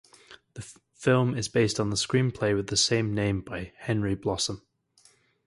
The film is based on the screenplay with the same name by Henry Blossom.